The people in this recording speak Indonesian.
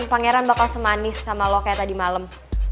pangeran bakal semanis sama lo kayak tadi malam